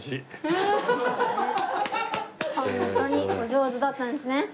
本当にお上手だったんですね。